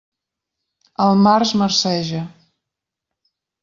El març marceja.